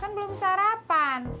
kan belum sarapan